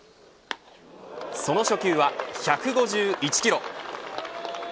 その初球は１５１キロ。